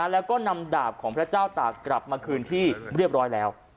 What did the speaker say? แล้วก็นำดาบของพระเจ้าตากกลับมาคืนที่เรียบร้อยแล้ว